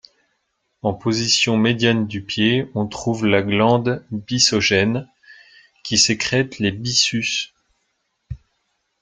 En position médiane du pied on trouve la glande byssogène, qui sécrète les byssus.